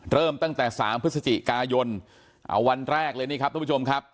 เริ่มตั้งแต่๓พฤศจิกายนเอาวันแรกเลยนี่ครับทุกผู้ชมครับ